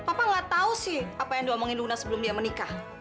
papa gak tau sih apa yang diomongin luna sebelum dia menikah